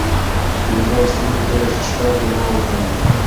د موبایل سکرین په توره شپه کې رڼا وکړه.